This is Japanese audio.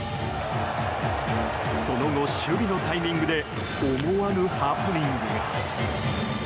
その後、守備のタイミングで思わぬハプニングが。